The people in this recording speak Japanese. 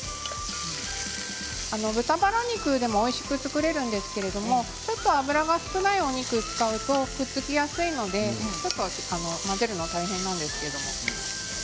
豚バラ肉でもおいしく作れるんですけれどちょっと脂が少ないお肉を使うとくっつきやすいので混ぜるの大変なんですけれど。